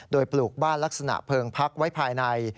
โดยปลูกบ้านลักษณะเพลิงพักไว้ภายใน